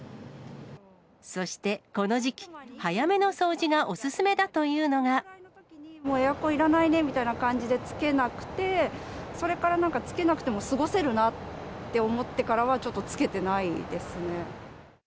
そしてこの時期、もうエアコンいらないねみたいな感じでつけなくて、それからなんか、つけなくても過ごせるなって思ってからは、ちょっとつけてないですね。